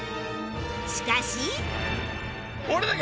しかし